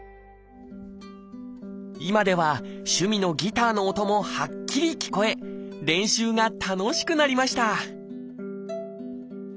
今では趣味のギターの音もはっきり聞こえ練習が楽しくなりました